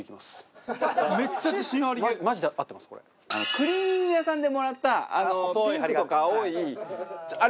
クリーニング屋さんでもらったピンクとか青いあるじゃないですか。